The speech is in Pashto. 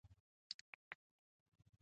افغانستان د جنوب او شمال نښته وه.